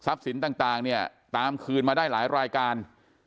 สินต่างเนี่ยตามคืนมาได้หลายรายการ